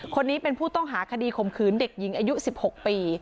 คนนี้เป็นผู้ต้องหาคดีข่มขืนเด็กหญิงอายุ๑๖ปี